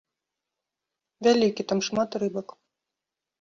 Вялікі, там шмат рыбак.